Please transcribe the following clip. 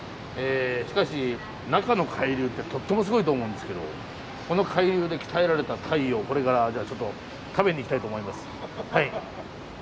しかし中の海流ってとってもすごいと思うんですけどこの海流で鍛えられたタイをこれから食べに行きたいと思います。